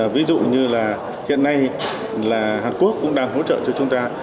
ví dụ như là hiện nay là hàn quốc cũng đang hỗ trợ cho chúng ta